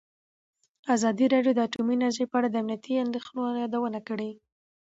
ازادي راډیو د اټومي انرژي په اړه د امنیتي اندېښنو یادونه کړې.